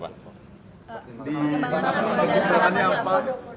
di penjelasannya apa